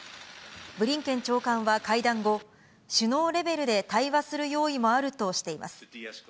ブリンケン長官は会談後、首脳レベルで対話する用意もあるとしています。